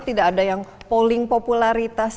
tidak ada yang polling popularitas